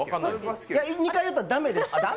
２回言ったらだめです。